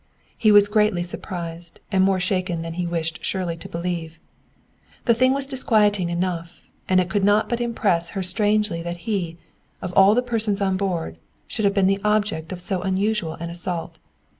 He was greatly surprised and more shaken than he wished Shirley to believe. The thing was disquieting enough, and it could not but impress her strangely that he, of all the persons on board, should have been the object of so unusual an assault.